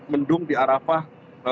mendung di arafah